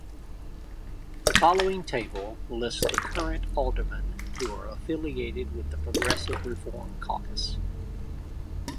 The following table lists current aldermen who are affiliated with the Progressive Reform Caucus.